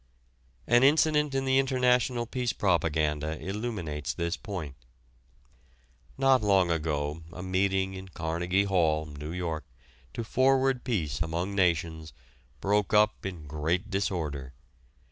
An incident in the international peace propaganda illuminates this point. Not long ago a meeting in Carnegie Hall, New York, to forward peace among nations broke up in great disorder.